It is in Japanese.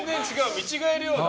見違えるようだ。